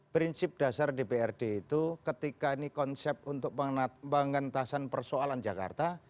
prinsip dasar dprd itu ketika ini konsep untuk pengentasan persoalan jakarta